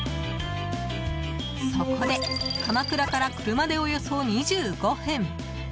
そこで鎌倉から車でおよそ２５分。